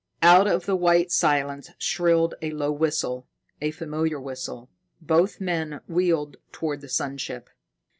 Out of the white silence shrilled a low whistle, a familiar whistle. Both men wheeled toward the sun ship.